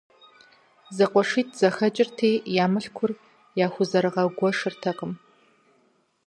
ЗэкъуэшитӀ зэхэкӀырти, я мылъкур яхузэрыгъэгуэшыртэкъым.